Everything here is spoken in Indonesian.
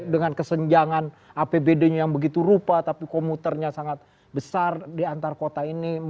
dengan kesenjangan apbd nya yang begitu rupa tapi komuternya sangat besar di antar kota ini